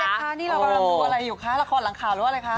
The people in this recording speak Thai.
พี่เจ๊ค่ะนี่เราไม่รู้ว่าอะไรอยู่ค่ะละครหลังข่าวหรือว่าอะไรคะ